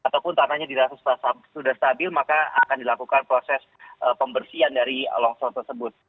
karena nantinya dirasa sudah stabil maka akan dilakukan proses pembersihan dari longsor tersebut